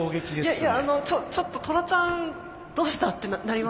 いやいやあのちょっとトラちゃんどうした？ってなりません？